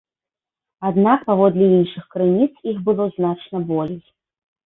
Аднак, паводле іншых крыніц, іх было значна болей.